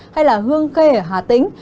hay là hương khê ở hà tĩnh